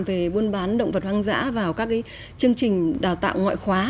về buôn bán động vật hoang dã vào các chương trình đào tạo ngoại khóa